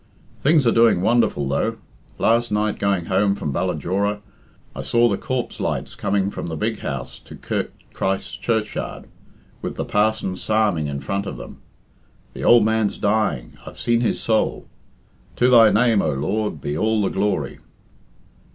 Things are doing wonderful, though. Last night going home from Ballajora, I saw the corpse lights coming from the big house to Kirk Christ's Churchyard, with the parson psalming in front of them. The ould man's dying I've seen his soul. To thy name, O Lord, be all the glory."